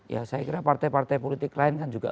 ya saya kira partai partai politik lain kan juga